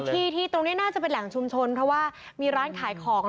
ที่ที่ตรงนี้น่าจะเป็นแหล่งชุมชนเพราะว่ามีร้านขายของ